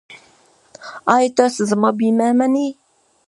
ایا تاسو زما بیمه منئ؟